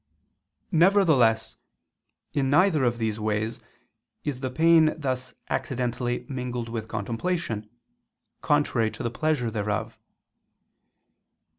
Nevertheless, in neither of these ways, is the pain thus accidentally mingled with contemplation, contrary to the pleasure thereof.